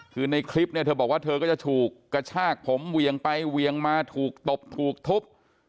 คือในคลิปเนี่ยเธอบอกว่าเธอก็จะถูกกระชากผมเวียงไปเวียงมาถูกตบถูกทุบ